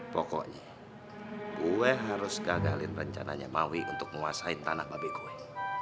pokoknya gue harus gagalin rencananya maui untuk menguasai tanah babek gue